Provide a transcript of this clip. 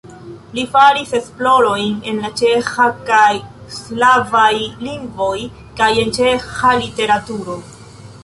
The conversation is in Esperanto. Li faris esplorojn en la ĉeĥa kaj slavaj lingvoj kaj en ĉeĥa literaturo.